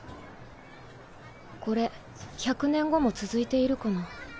これ百年後も続いているかな？